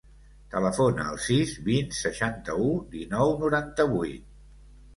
Telefona al sis, vint, seixanta-u, dinou, noranta-vuit.